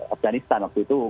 afganistan waktu itu